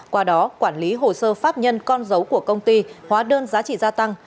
qua đó quản lý hồ sơ pháp nhân con dấu của công ty hóa đơn giá trị gia tăng